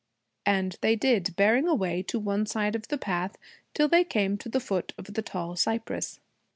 And they did, bearing away to one side of the path till they came to the foot of the tall cypress.